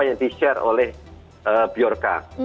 itu yang di share oleh biorka